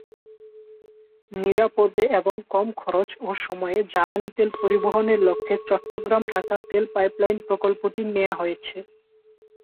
নিরাপদে এবং কম খরচ ও সময়ে জ্বালানি তেল পরিবহনের লক্ষ্যে চট্টগ্রাম-ঢাকা তেল পাইপলাইন প্রকল্পটি নেয়া হয়েছে।